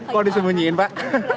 kok disembunyiin pak